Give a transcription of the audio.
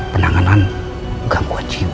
penanganan gangguan jiwa